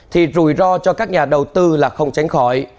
thì rủi ro cho các nhà đầu tư là không tránh khỏi